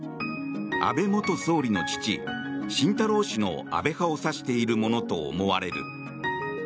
安倍元総理の父・晋太郎氏の安倍派を指しているものと思われる。